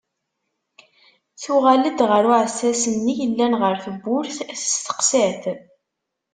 Tuɣal-d ɣer uɛessas-nni yellan ɣer tewwurt, testeqsa-t.